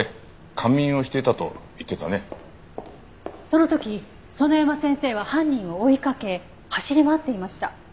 その時園山先生は犯人を追いかけ走り回っていました。